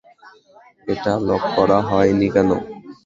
এটা লক করা হয় নি কেন?